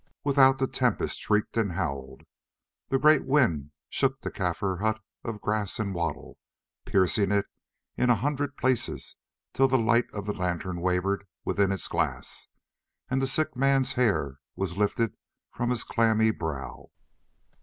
Without the tempest shrieked and howled, the great wind shook the Kaffir hut of grass and wattle, piercing it in a hundred places till the light of the lantern wavered within its glass, and the sick man's hair was lifted from his clammy brow.